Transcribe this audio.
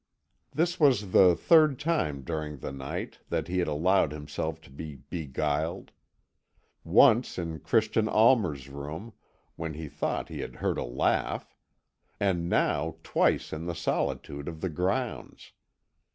This was the third time during the night that he had allowed himself to be beguiled. Once in Christian Almer's room, when he thought he had heard a laugh, and now twice in the solitude of the grounds.